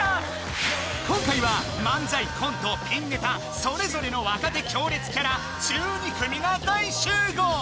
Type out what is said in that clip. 今回は漫才コントピンネタそれぞれの若手強烈キャラ１２組が大集合！